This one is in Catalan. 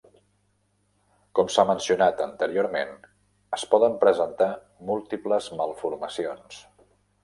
Com s'ha mencionat anteriorment, es poden presentar múltiples malformacions.